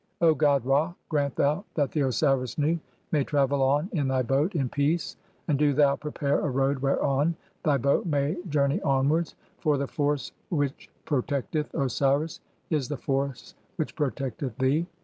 O god Ra, grant thou that the Osiris Nu 'may travel on (i3) in thy boat in peace, and do thou prepare 'a road whereon [thy] boat may journey onwards ; for the force 'which protecteth (14) Osiris is the force which protecteth thee.